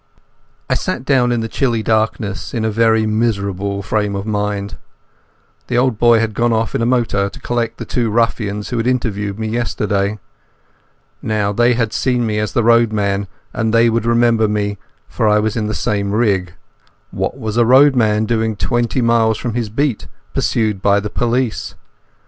I sat down in that chilly darkness in a very miserable frame of mind. The old boy had gone off in a motor to collect the two ruffians who had interviewed me yesterday. Now, they had seen me as the roadman, and they would remember me, for I was in the same rig. What was a roadman doing twenty miles from his beat, pursued by the police?